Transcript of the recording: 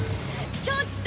ちょっと！